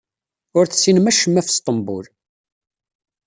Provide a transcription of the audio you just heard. Ur tessinem acemma ɣef Sṭembul.